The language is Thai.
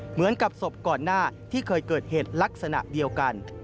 เหมือนกับศพก่อนหน้าที่เคยเกิดเหตุลักษณะเดียวกัน